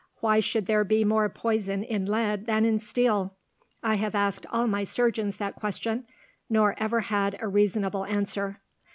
Why should there be more poison in lead than in steel? I have asked all my surgeons that question, nor ever had a reasonable answer.